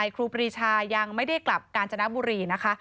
ครูปรีชายังไม่ได้กลับกาญจนบุรีนะคะ